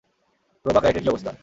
Roebuck রাইটের কী অবস্থা?